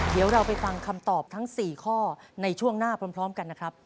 เดี๋ยวเราไปฟังคำตอบทั้ง๔ข้อในช่วงหน้าพร้อมกันนะครับ